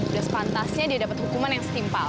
udah sepantasnya dia dapet hukuman yang setimpal